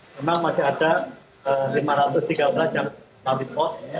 memang masih ada lima ratus tiga belas yang kami pos